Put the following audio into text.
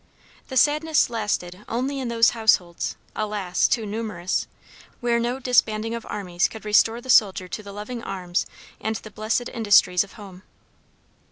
The sadness lasted only in those households alas! too numerous where no disbanding of armies could restore the soldier to the loving arms and the blessed industries of home."